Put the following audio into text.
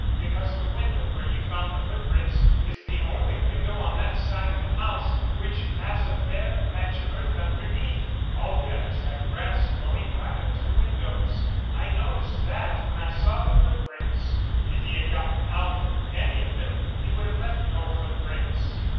"Because the window where you found the footprints is the only window on that side of the house which has a bare patch of earth underneath. All the others have grass growing right up to the windows. I noticed that when I saw the footprints. If he had got out of any of them he would have left no footprints."